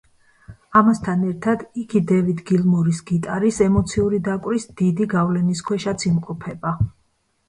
ამასთან ერთად, იგი დევიდ გილმორის გიტარის ემოციური დაკვრის დიდი გავლენის ქვეშაც იმყოფება.